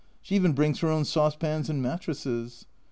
She even brings her own saucepans and mattresses